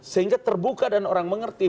sehingga terbuka dan orang mengerti